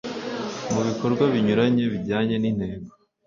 mu bikorwa binyuranye bijyanye n intego